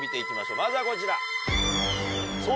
まずはこちら。